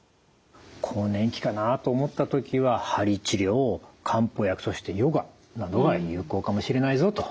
更年期かなと思った時ははり治療漢方薬そしてヨガなどが有効かもしれないぞというお話でした。